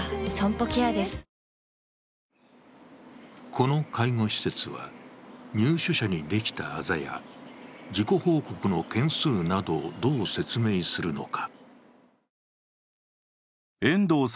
この介護施設は、入所者にできたあざや事故報告の件数などをどう説明するのか。